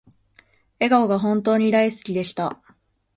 笑顔が本当に大好きでした